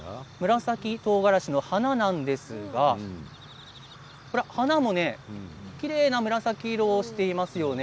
紫とうがらしの花なんですが花もきれいな紫色をしていますよね。